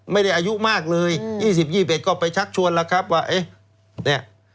ไม่ได้อายุมากเลย๒๐๒๑ก็ไปชักชวนละครับว่า